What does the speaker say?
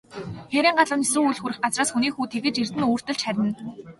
Хээрийн галуу нисэн үл хүрэх газраас, хүний хүү тэгж эрдэнэ өвөртөлж харина.